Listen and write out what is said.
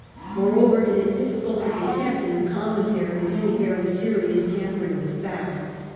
Moreover, it is difi&cult to detect in the Commentaries any very serious tampering with facts.